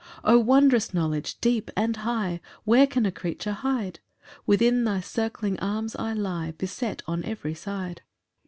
4 O wondrous knowledge, deep and high! Where can a creature hide? Within thy circling arms I lie, Beset on every side.